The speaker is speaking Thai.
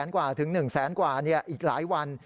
๒๐๐๐๐๐กว่าถึง๑๐๐๐๐๐กว่าอีกหลายวัน